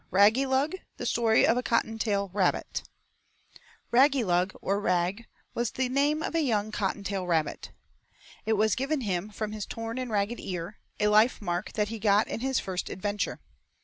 RAGGYLUG, The Story of a Cottontail Rabbit RAGGYLUG, or Rag, was the name of a young cottontail rabbit. It was given him from his torn and ragged ear, a life mark that he got in his first adventure.